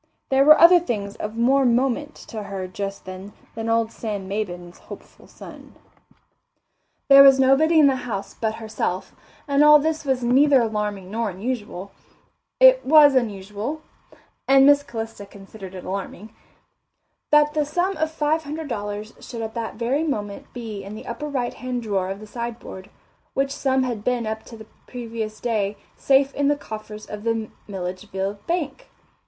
There were other things of more moment to her just then than old Sam Maybin's hopeful son. There was nobody in the house but herself, and although this was neither alarming nor unusual, it was unusual and Miss Calista considered it alarming that the sum of five hundred dollars should at that very moment be in the upper right hand drawer of the sideboard, which sum had been up to the previous day safe in the coffers of the Millageville bank.